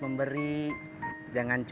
mau narik gak